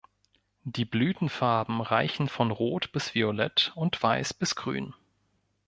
Die Blütenfarben reichen von rot bis violett und weiß bis grün.